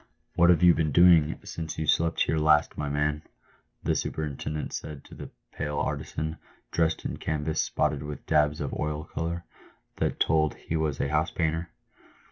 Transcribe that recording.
" What have you been doing since you slept here last, my man ?'? the superintendent said to a pale artisan, dressed in canvas spotted with dabs of oil colour, that told he was a house painter.